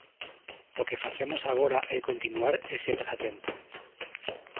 O que facemos agora é continuar ese pasatempo.